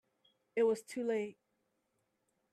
It was too late.